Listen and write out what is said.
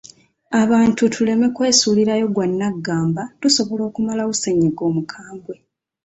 Abantu tuleme kwesuulirayo gwa nnagamba tusobola okumalawo ssenyiga omukambwe